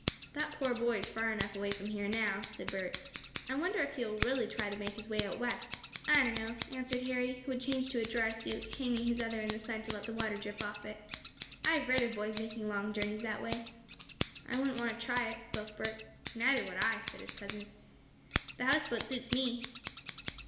"That poor boy is far enough away from here now," said Bert. "I wonder if he will really try to make his way out west?" "I don't know," answered Harry, who had changed to a dry suit, hanging his other in the sun to let the water drip out of it. "I've read of boys making long journeys that way." "I wouldn't want to try it," spoke Bert. "Neither would I," said his cousin. "This houseboat suits me!"